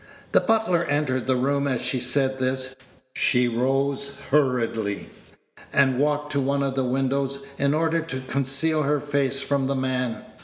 The butler entered the room as she said this; she rose hurriedly, and walked to one of the windows, in order to conceal her face from the man.